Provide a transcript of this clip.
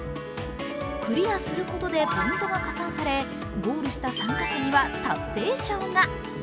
クリアすることでポイントが加算され、ゴールした参加者には達成賞が。